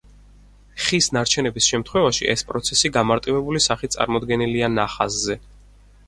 ხის ნარჩენების შემთხვევაში, ეს პროცესი გამარტივებული სახით წარმოდგენილია ნახაზზე.